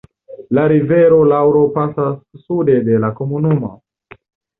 La rivero Luaro pasas sude de la komunumo.